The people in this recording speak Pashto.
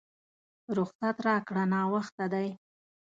رخصت راکړه ناوخته دی!